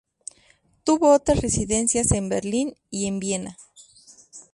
Tuvo otras residencias en Berlín y en Viena.